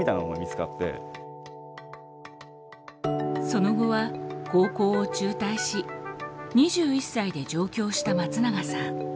その後は高校を中退し２１歳で上京した松永さん。